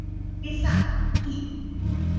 টেসা, কি--?